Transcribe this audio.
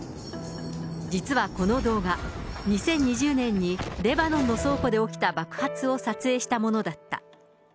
実はこの動画、２０２０年にレバノンの倉庫で起きた爆発を撮影したものだった。